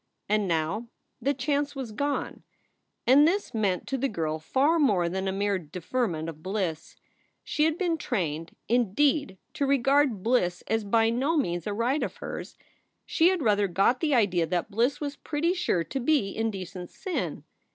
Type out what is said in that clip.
And now the chance was gone. And this meant to the girl far more than a mere defer ment of bliss. She had been trained, indeed, to regard bliss as by no means a right of hers. She had rather got the idea that bliss was pretty sure to be indecent sin.